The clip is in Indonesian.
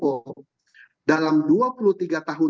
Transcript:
pak prabowo dalam dua puluh tiga tahun